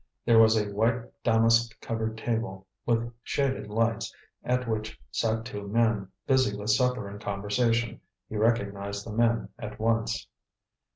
There was a white damask covered table, with shaded lights, at which sat two men, busy with supper and conversation. He recognized the men at once.